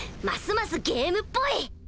ますますゲームっぽい！